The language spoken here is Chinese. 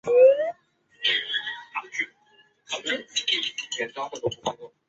里奥拉戈是巴西阿拉戈斯州的一个市镇。